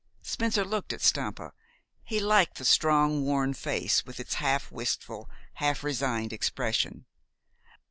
Spencer looked at Stampa. He liked the strong, worn face, with its half wistful, half resigned expression.